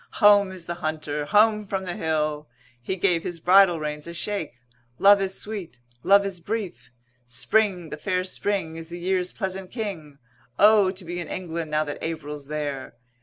Home is the hunter, home from the hill. He gave his bridle reins a shake. Love is sweet, love is brief. Spring, the fair spring, is the year's pleasant King. O! to be in England now that April's there.